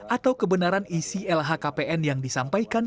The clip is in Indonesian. atau kebenaran isi lhkpn yang disampaikan